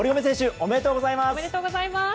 ありがとうございます。